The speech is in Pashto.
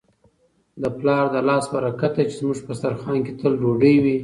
د پلار د لاس برکت دی چي زموږ په دسترخوان کي تل ډوډۍ وي.